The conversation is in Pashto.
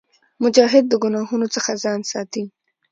مجاهد د ګناهونو څخه ځان ساتي.